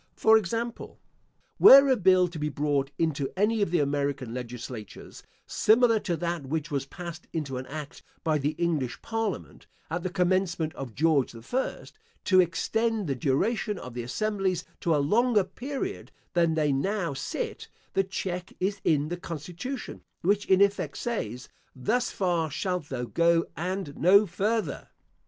For example, Were a Bill to be brought into any of the American legislatures similar to that which was passed into an act by the English parliament, at the commencement of George the First, to extend the duration of the assemblies to a longer period than they now sit, the check is in the constitution, which in effect says, Thus far shalt thou go and no further.